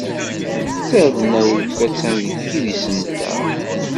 Tarennawt attan deg yidis-nteɣ.